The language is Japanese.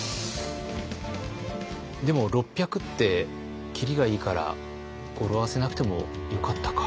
でも６００って切りがいいから語呂合わせなくてもよかったか。